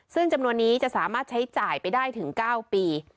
ซึ่งจำนวนนี้จะสามารถใช้จ่ายไปได้ถึง๙ปี